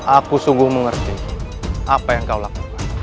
aku sungguh mengerti apa yang kau lakukan